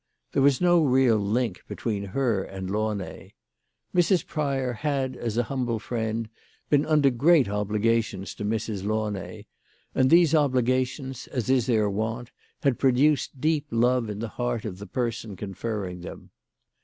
There was no real link between her and Launay. Mrs. Pryor had, as a humble friend, been under great obligations to Mrs. Launay, and these obligations, as is their wont, had produced deep love in the heart of the person conferring them.